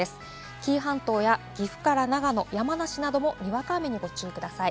紀伊半島や岐阜から長野・山梨なども、にわか雨にご注意ください。